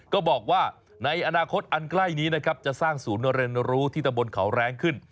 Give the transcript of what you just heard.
ก็บอกว่าในอนาคตอ่านใกล้นี้จะสร้างสูตรเรียนรู้ที่ทะมนต์เขาแร้งขึ้น